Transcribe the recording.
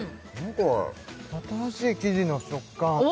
これ新しい生地の食感